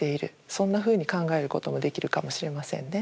そんなふうに考えることもできるかもしれませんね。